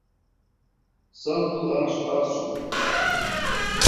Santo Anastácio